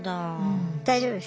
大丈夫です。